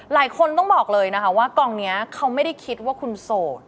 หลายคนต้องบอกเลยนะคะว่ากองนี้เขาไม่ได้คิดว่าคุณโสด